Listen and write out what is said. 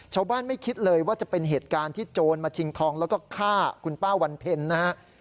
ชาวบ้านไม่คิดเลยว่าจะเป็นเหตุการณ์ที่โจรมาชิงทองแล้วก็ฆ่าคุณป้าวรรณเพลิน